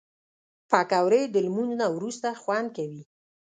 پکورې د لمونځ نه وروسته خوند کوي